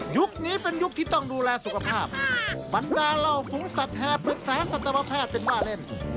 นี้เป็นยุคที่ต้องดูแลสุขภาพบรรดาเหล้าฝูงสัตว์แห่ปรึกษาสัตวแพทย์เป็นว่าเล่น